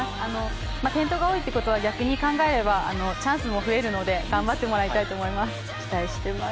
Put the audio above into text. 転倒が多いということは、逆に考えればチャンスも増えるので頑張ってもらいたいと思います。